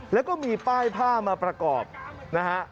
แล้วก็มีป้ายผ้ามาประกอบนะฮะ